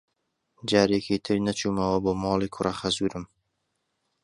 جارێکی تر نەچوومەوە بۆ ماڵی کوڕەخەزوورم.